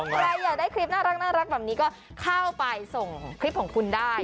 ใครอยากได้คลิปน่ารักแบบนี้ก็เข้าไปส่งคลิปของคุณได้